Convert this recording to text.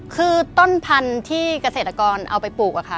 คือต้นพันธุ์ที่เกษตรกรเอาไปปลูกอะค่ะ